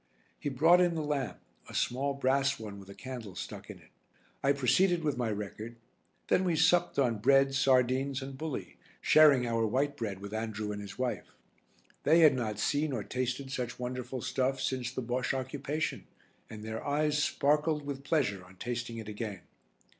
He brought in the lamp, a small brass one with a candle stuck in it. I proceeded with my record, then we supped on bread, sardines, and bully, sharing our white bread with Andrew and his wife. They had not seen or tasted such wonderful stuff since the Bosche occupation, and their eyes sparkled with pleasure on tasting it again.